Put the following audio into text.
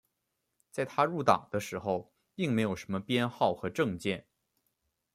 在他入党的时候并没有什么编号和证件。